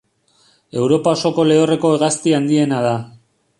Europa osoko lehorreko hegazti handiena da.